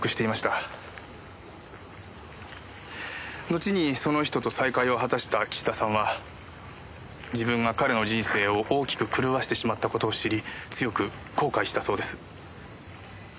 のちにその人と再会を果たした岸田さんは自分が彼の人生を大きく狂わせてしまった事を知り強く後悔したそうです。